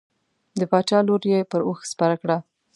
د باچا لور یې پر اوښ سپره کړه.